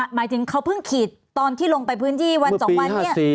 หมายถึงเขาเพิ่งขีดตอนที่ลงไปพื้นที่วันสองวันนี้